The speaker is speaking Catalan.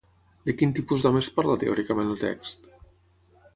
De quin tipus d'homes parla teòricament el text?